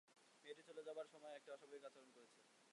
মেয়েটি চলে যাবার সময়ও একটা অস্বাভাবিক আচরণ করেছে।